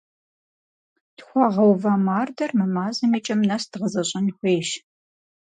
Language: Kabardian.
Тхуагъэува мардэр мы мазэм и кӏэм нэс дгъэзэщӏэн хуейщ.